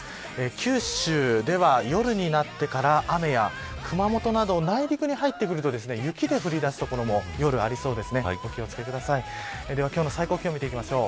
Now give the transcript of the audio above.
九州では夜になってから、雨や熊本など内陸に入ってくると雪で降り出す所も夜、ありそうです。